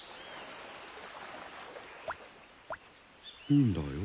いいんだよ。